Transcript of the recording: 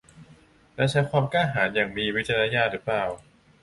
และใช้ความกล้าหาญอย่างมีวิจารณญาณหรือเปล่า